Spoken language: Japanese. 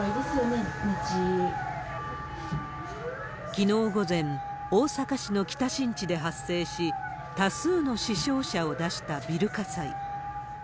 きのう午前、大阪市の北新地で発生し、多数の死傷者を出したビル火災。